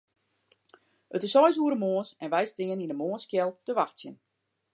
It is seis oere moarns en wy steane yn 'e moarnskjeld te wachtsjen.